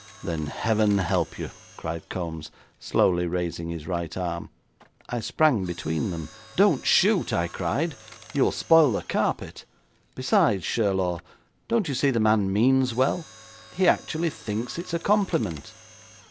'Then heaven help you,' cried Kombs, slowly raising his right arm. I sprang between them. 'Don't shoot!' I cried. 'You will spoil the carpet. Besides, Sherlaw, don't you see the man means well. He actually thinks it is a compliment!'